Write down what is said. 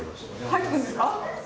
入ってくんですか？